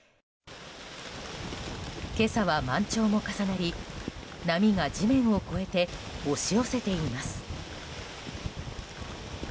今朝は満潮も重なり、波が地面を越えて押し寄せています。